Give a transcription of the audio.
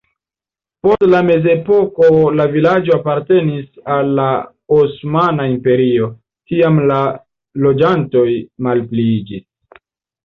Post la mezepoko la vilaĝo apartenis al la Osmana Imperio, tiam la loĝantoj malpliiĝis.